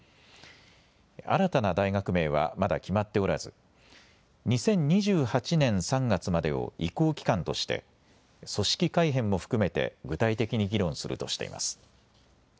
新たな大学名はまだ決まっておらず２０２８年３月までを移行期間として組織改編も含めて具体的に議論するとしています。